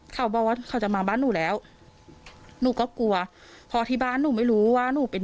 เขาบอกว่าเขาจะมาบ้านหนูแล้วหนูก็กลัวพอที่บ้านหนูไม่รู้ว่าหนูเป็น